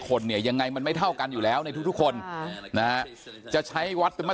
คนเนี่ยยังไงมันไม่เท่ากันอยู่แล้วในทุกคนจะใช้วัดมา